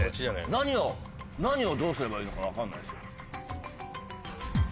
何を何をどうすればいいのか分かんないですよ。